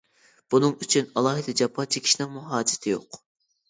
بۇنىڭ ئۈچۈن ئالاھىدە جاپا چېكىشنىڭمۇ ھاجىتى يوق.